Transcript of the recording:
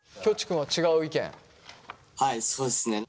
はいそうですね。